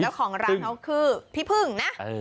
แล้วของร้านเขาคือพิภึ่งนะ